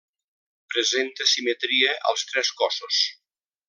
Presenta simetria als tres cossos.